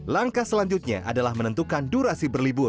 langkah selanjutnya adalah menentukan durasi berlibur